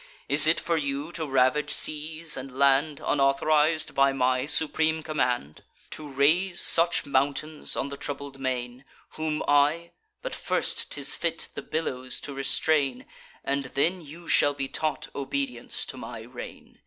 Is it for you to ravage seas and land, Unauthoriz'd by my supreme command? To raise such mountains on the troubled main? Whom I—but first 'tis fit the billows to restrain; And then you shall be taught obedience to my reign.